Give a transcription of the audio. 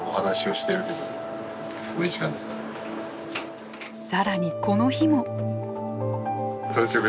更にこの日も。